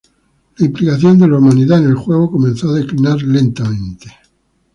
La implicación de la humanidad en el juego comenzó a declinar lentamente.